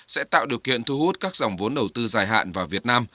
sẽ tạo điều kiện thu hút các dòng vốn đầu tư dài hạn vào việt nam